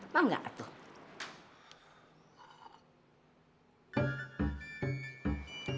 mau gak atuh